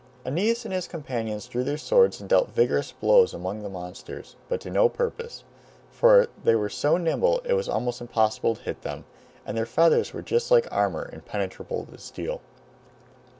Aeneas and his companions drew their swords and dealt vigorous blows among the monsters, but to no purpose, for they were so nimble it was almost impossible to hit them, and their feathers were like armor impenetrable to steel.